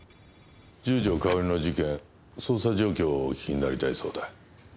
十条かおりの事件捜査状況をお聞きになりたいそうだ。